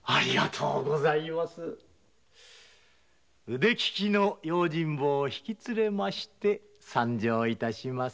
腕利きの用心棒を引き連れまして参上致します。